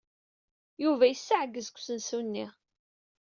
Yuba yessaggez deg usensu-nni.